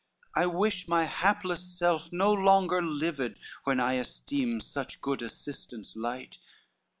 I wish my hapless self no longer lived, When I esteem such good assistance light."